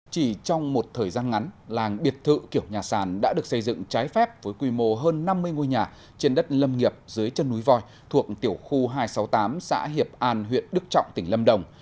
chỉ trong một thời gian ngắn làng biệt thự kiểu nhà sàn đã được xây dựng trái phép với quy mô hơn năm mươi ngôi nhà trên đất lâm nghiệp dưới chân núi voi thuộc tiểu khu hai trăm sáu mươi tám xã hiệp an huyện đức trọng tỉnh lâm đồng